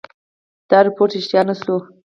دا رپوټ ریشتیا نه شو.